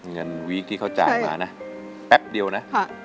วีคที่เขาจ่ายมานะแป๊บเดียวนะ